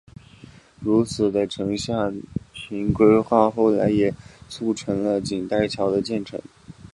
如此的城下町规划后来也促成了锦带桥的建成。